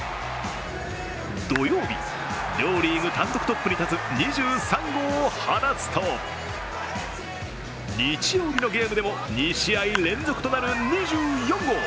土曜日、両リーグ単独トップに立つ２３号を放つと、日曜日のゲームでも２試合連続となる２４号。